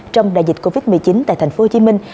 trong đại dịch covid một mươi chín tại thành phố hồ chí minh